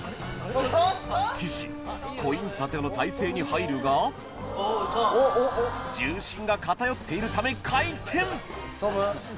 岸コイン立ての体勢に入るが重心が片寄っているため回転トム！